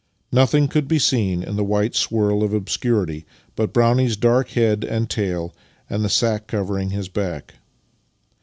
Nothing could be seen in the white swirl of obscurity but Brov/nie's dark head and tail and the sack covering his back.